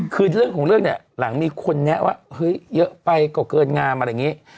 คือเรื่องของเรื่องเนี่ยหลังมีคนแนะว่าเฮ้ยเยอะไปก็เกินงามอะไรอย่างนี้